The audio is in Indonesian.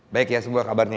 baik ya semua kabarnya ya